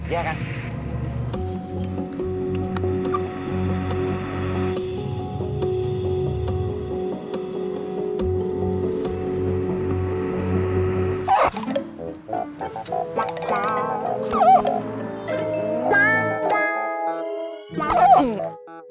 แยกนะ